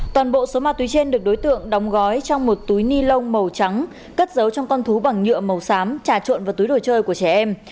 toàn bộ số ma túy trên được đối tượng đóng gói trong một túi ni lông màu trắng cất giấu trong con thú bằng nhựa màu xám trà trộn vào túi đồ chơi của trẻ em